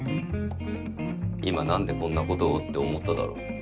今なんでこんなことをって思っただろ？